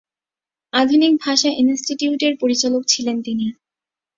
আধুনিক ভাষা ইনষ্টিটিউট-এর পরিচালক ছিলেন তিনি।